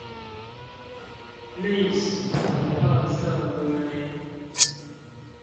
歷史的垃圾堆